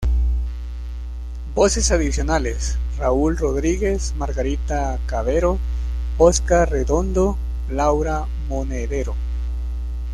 Voces adicionales: Raúl Rodríguez, Margarita Cavero, Óscar Redondo, Laura Monedero.